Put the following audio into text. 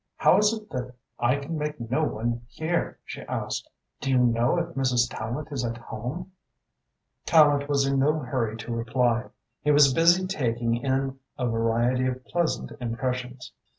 "How is it that I can make no one hear?" she asked. "Do you know if Mrs. Tallente is at home?" Tallente was in no hurry to reply. He was busy taking in a variety of pleasant impressions.